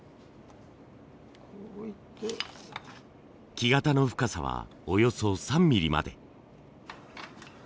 木型の深さはおよそ３ミリまで。